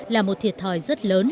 là một thiệt thòi rất lớn